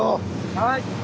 はい！